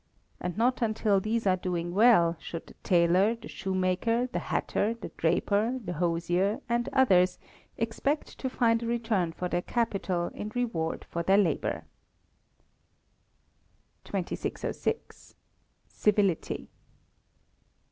And not until these are doing well should the tailor, the shoemaker, the hatter, the draper, the hosier, and others, expect to find a return for their capital and reward for their labour. 2606. Civility.